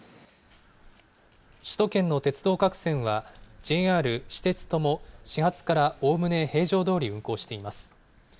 首都圏の鉄道各線は、ＪＲ、私鉄とも、始発からおおむね平常どおり運行しています。